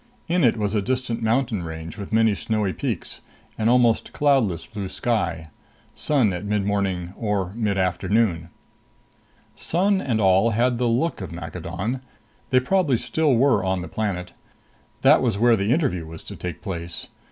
In it was a distant mountain range with many snowy peaks, an almost cloudless blue sky. Sun at midmorning or midafternoon. Sun and all had the look of Maccadon they probably still were on the planet. That was where the interview was to take place.